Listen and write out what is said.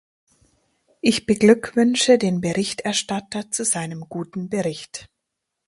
Ich beglückwünsche den Berichterstatter zu seinem guten Bericht.